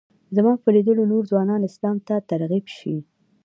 زما په لیدلو نور ځوانان اسلام ته ترغیب شي.